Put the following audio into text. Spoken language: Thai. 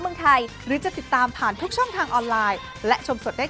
มีช่อง๓๒ค่ะ